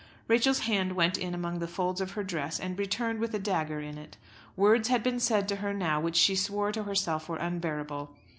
Rachel's hand went in among the folds of her dress, and returned with a dagger in it. Words had been said to her now which she swore to herself were unbearable.